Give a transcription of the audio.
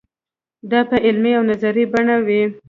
دا په عملي او نظري بڼه وي.